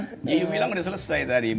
iya iya bilang udah selesai tadi